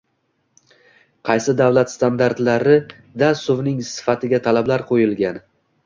Qaysi davlat standartida suvning sifatiga talablar qo‘yilgan?